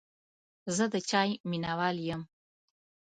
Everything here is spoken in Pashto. زه د چای مینهوال یم.